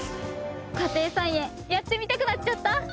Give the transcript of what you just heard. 家庭菜園やってみたくなっちゃった。